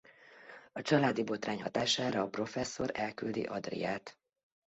A családi botrány hatására a professzor elküldi Adriát.